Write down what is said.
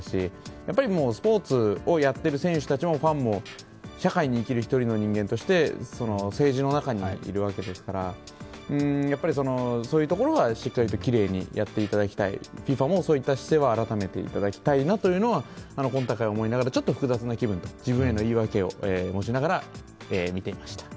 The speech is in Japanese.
やっぱりスポーツをやっている選手もファンも社会に生きる中の１人として政治の中にいるわけですからやっぱりそういうところはしっかりときれいにやっていただきたい、ＦＩＦＡもそういった姿勢は改めていただきたいなと今大会は思いながらちょっと複雑な気分、自分への言い訳を持ちながら見ていました。